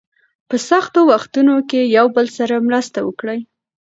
په سختو وختونو کې یو بل سره مرسته وکړئ.